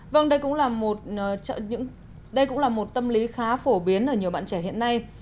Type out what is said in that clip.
vâng đây cũng là một tâm lý khá phổ biến ở nhiều bạn trẻ hiện nay